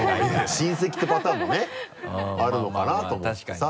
親戚ってパターンもねあるのかなと思ってさ。